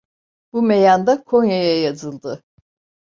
Bu meyanda Konya'ya yazıldı.